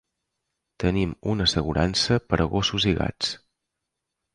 Tenim una assegurança per a gossos i gats.